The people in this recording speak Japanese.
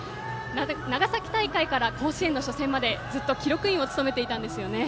長崎大会から甲子園の初戦までずっと記録員を務めていたんですよね。